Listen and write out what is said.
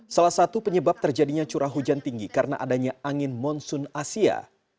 salah satu penyebab terjadinya curah hujan tinggi karena adanya angin monsoon asia